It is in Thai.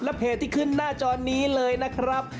เพจที่ขึ้นหน้าจอนี้เลยนะครับ